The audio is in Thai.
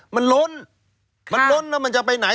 มันล้นมันล้นแล้วมันจะไปไหน